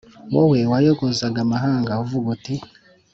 wowe wayogozaga amahanga, uvuga uti